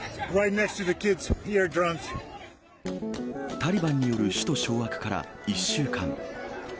タリバンによる首都掌握から１週間。